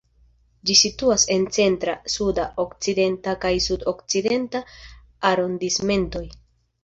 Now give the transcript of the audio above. Ĝi situas en Centra, Suda, Okcidenta kaj Sud-Okcidenta arondismentoj.